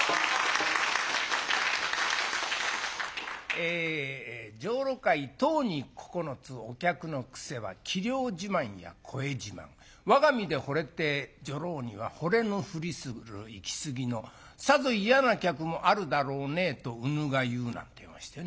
え女郎買い十に九つお客の癖は器量自慢や声自慢我が身でほれて女郎にはほれぬふりするゆきすぎのさぞ嫌な客もあるだろうねとうぬが言うなっていいましてね。